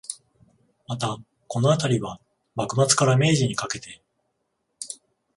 また、このあたりは、幕末から明治にかけて